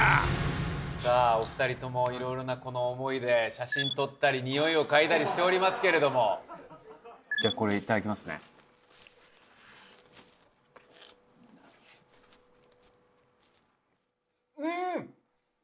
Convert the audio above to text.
さあお二人ともいろいろな思いで写真撮ったり匂いを嗅いだりしておりますけれどもじゃあこれいただきますねうん！